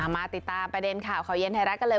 มาติดตามประเด็นข่าวข่าวเย็นไทยรัฐกันเลย